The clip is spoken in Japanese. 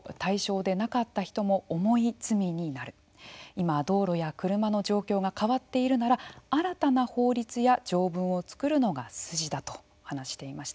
今道路や車の状況が変わっているなら新たな法律や条文を作るのが筋だと話していました。